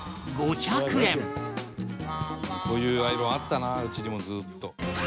伊達：こういうアイロンあったなうちにも、ずっと。